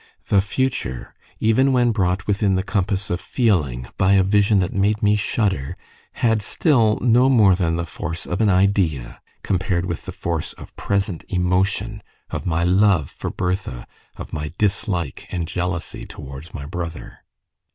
The future, even when brought within the compass of feeling by a vision that made me shudder, had still no more than the force of an idea, compared with the force of present emotion of my love for Bertha, of my dislike and jealousy towards my brother.